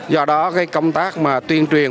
do đó công tác tuyên truyền